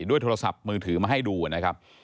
โทรศัพท์มือถือมาให้ดูนะครับ